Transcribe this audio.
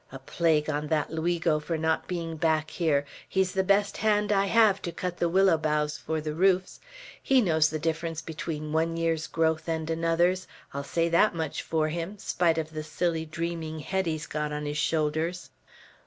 A plague on that Luigo for not being back here. He's the best hand I have to cut the willow boughs for the roofs. He knows the difference between one year's growth and another's; I'll say that much for him, spite of the silly dreaming head he's got on his shoulders."